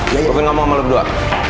mungkin ngomong sama lu berdua